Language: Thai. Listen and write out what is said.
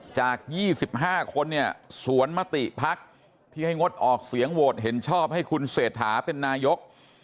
จาก๒๕คนเนี่ยสวนมติภักดิ์ที่ให้งดออกเสียงโหวตเห็นชอบให้คุณเศรษฐาเป็นนายก